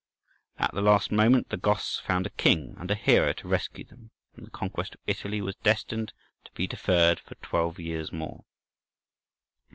At the last moment the Goths found a king and a hero to rescue them, and the conquest of Italy was destined to be deferred for twelve years more.